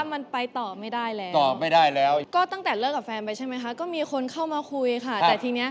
วันนี้ก็ขอให้โชคดีละกันนะครับ